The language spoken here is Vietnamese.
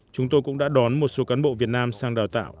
chúng tôi cũng đã đón một số cán bộ việt nam sang đào tạo